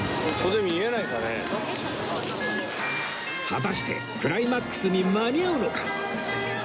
果たしてクライマックスに間に合うのか？